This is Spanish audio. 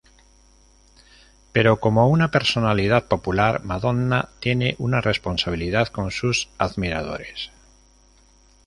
Pero, como una personalidad popular, Madonna tiene una responsabilidad con sus admiradores.